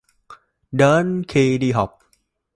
Đến khi đi học